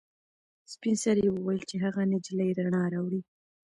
سپین سرې وویل چې هغه نجلۍ رڼا راوړي.